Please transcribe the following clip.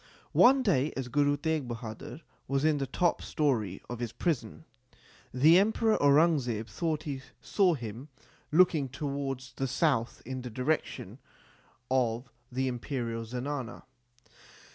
One day, as Guru Teg Bahadur was in the top story of his prison, the Emperor Aurangzeb thought he saw him looking towards the south in the direction of the Imperial zenana.